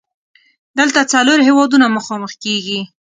دلته څلور هیوادونه مخامخ کیږي.